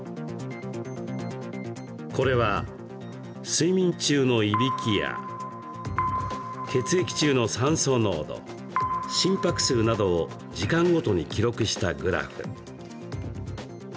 これは、睡眠中のいびきや血液中の酸素濃度、心拍数などを時間ごとに記録したグラフ。